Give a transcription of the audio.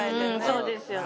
そうですよね。